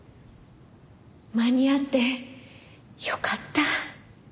間に合ってよかった。